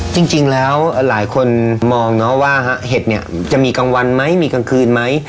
จริงแล้วหลายคนมองเนาะว่าเห็ดเนี่ยจะมีกลางวันไหมมีกลางคืนไหม